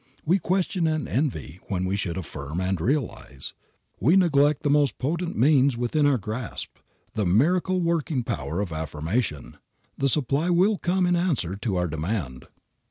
We question and envy when we should affirm and realize. We neglect the most potent means within our grasp the miracle working power of affirmation. The supply will come in answer to our demand.